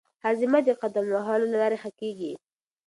هاضمه د قدم وهلو له لارې ښه کېږي.